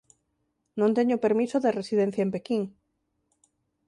Non teño permiso de residencia en Pequín.